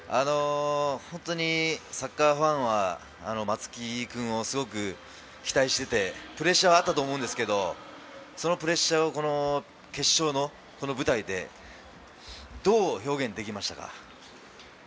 本当にサッカーファンは松木君をすごく期待していてプレッシャーはあったと思うんですが、そのプレッシャーをこの決勝の舞台でどう表現できましたか？